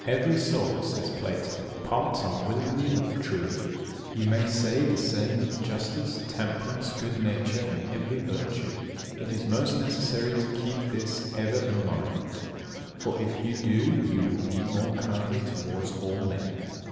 63. "Every soul," says Plato, "parts unwillingly with truth." You may say the same of justice, temperance, good nature, and every virtue. It is most necessary to keep this ever in mind; for, if you do, you will be more kindly towards all men.